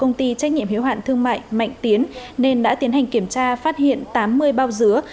công ty trách nhiệm hiếu hạn thương mại mạnh tiến nên đã tiến hành kiểm tra phát hiện tám mươi bao dứa